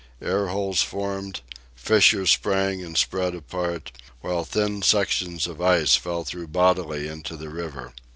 Air holes formed, fissures sprang and spread apart, while thin sections of ice fell through bodily into the river.